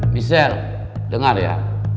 misal dengar ya